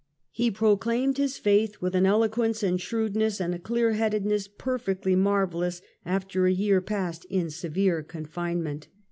He proclaimed his faith with an eloquence and shrewdness and a clear headedness perfectly marvellous after a year passed in severe confinement.